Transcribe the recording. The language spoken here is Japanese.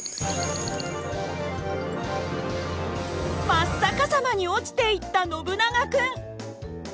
真っ逆さまに落ちていったノブナガ君。